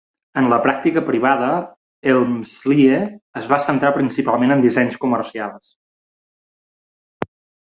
En la pràctica privada, Elmslie es va centrar principalment en dissenys comercials.